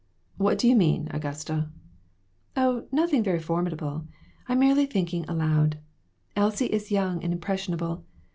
" What do you mean, Augusta ?" "Oh, nothing very formidable. I'm merely thinking aloud. Elsie is young and impression able.